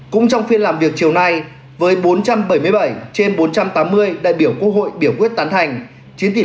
cũng trong phiên làm việc chiều nay với bốn trăm bảy mươi bảy trên bốn trăm tám mươi đại biểu quốc hội biểu quyết tán thành